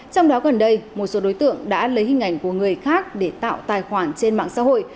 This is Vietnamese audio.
trong đó gần đây một số đối tượng đã lấy hình ảnh của người khác để tạo tài khoản trên mạng xã hội